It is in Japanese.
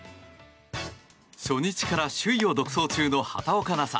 初日から首位を独走中の畑岡奈紗。